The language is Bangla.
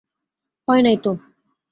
হয় নাই তো!